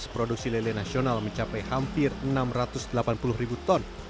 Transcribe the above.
produksi lele nasional mencapai hampir enam ratus delapan puluh ribu ton